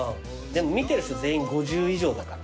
でも見てる人全員５０以上だから。